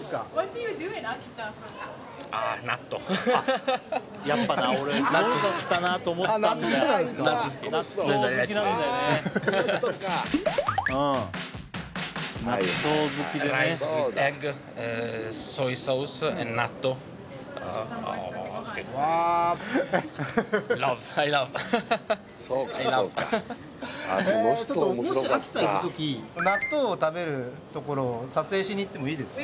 もし秋田行くとき納豆を食べるところを撮影しに行ってもいいですか？